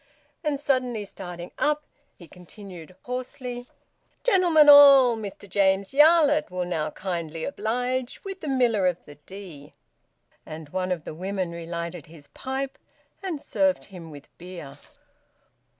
And suddenly starting up, he continued hoarsely, "Gentlemen all, Mr James Yarlett will now kindly oblige with `The Miller of the Dee.'" And one of the women relighted his pipe and served him with beer.